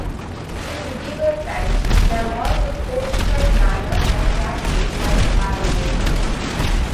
In medieval times there was a fortified manor or castle at Aldworth.